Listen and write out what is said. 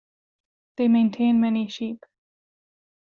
They maintain many sheep.